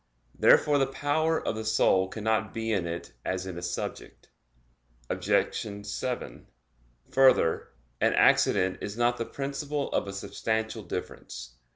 Therefore the power of the soul cannot be in it as in a subject. Obj. 7: Further, an accident is not the principle of a substantial difference.